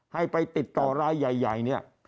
ให้ไปติดต่อรายใหญ่เนี่ย